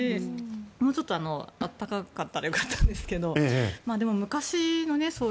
もうちょっと暖かかったらよかったんですがで